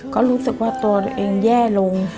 ก็รู้สึกว่าตัวตัวเองแย่ลง